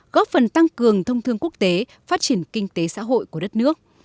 góp phần tăng cường thông thương quốc tế phát triển kinh tế xã hội của đất nước